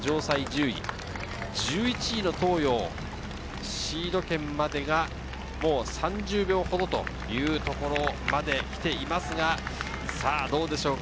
明治が９位に上がって城西１０位、１１位の東洋、シード権までがもう３０秒ほどというところまで来ていますが、どうでしょうか？